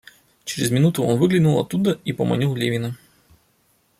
Через минуту он выглянул оттуда и поманил Левина.